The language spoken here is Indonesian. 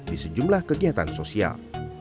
di sejumlah kegiatan sosial